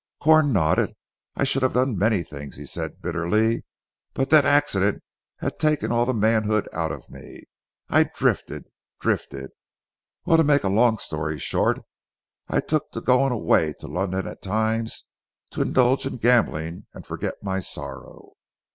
Corn nodded. "I should have done many things," said he bitterly, "but that accident had taken all the manhood out of me. I drifted drifted. Well to make a long story short, I took to going away to London at times to indulge in gambling and forget my sorrow."